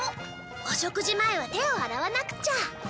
お食事前は手を洗わなくちゃ。